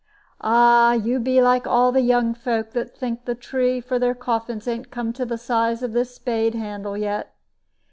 "Ah, you be like all the young folk that think the tree for their coffins ain't come to the size of this spade handle yet.